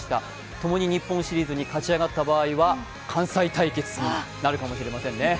ともに日本シリーズに勝ち上がった場合は関西対決になるかもしれませんね。